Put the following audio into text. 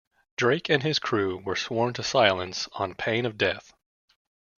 Drake and his crew were sworn to silence on pain of death.